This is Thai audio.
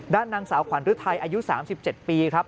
ด้านนางสาวขวานฤทธิ์ไทยอายุ๓๗ปีครับ